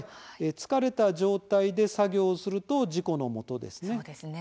疲れた状態で作業すると事故のもとですね。